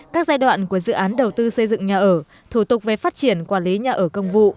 các giai đoạn của dự án đầu tư xây dựng nhà ở thủ tục về phát triển quản lý nhà ở công vụ